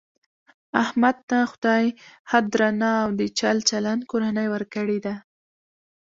احمد ته خدای ښه درنه او د چل چلن کورنۍ ورکړې ده .